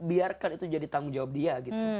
biarkan itu jadi tanggung jawab dia